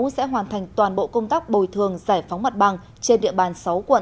sẽ hoàn thành toàn bộ công tác bồi thường giải phóng mặt bằng trên địa bàn sáu quận